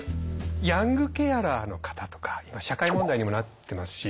ヤングケアラーの方とか今社会問題にもなってますし。